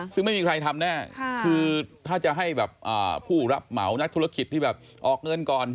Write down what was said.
ซึ่งไม่มีใครทำแน่คือถ้าจะให้แบบผู้รับเหมานักธุรกิจที่แบบออกเงินก่อน